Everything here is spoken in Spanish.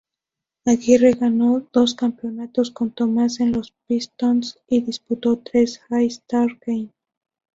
Aguirre ganó dos campeonatos con Thomas en los Pistons y disputó tres All-Star Game.